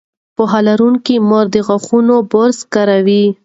پوهه لرونکې مور د غاښونو برش کاروي.